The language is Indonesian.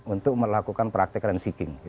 untuk melakukan praktek rensiking